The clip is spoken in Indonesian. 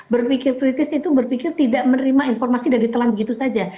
berpikir kritis itu berpikir tidak menerima informasi dari telan begitu saja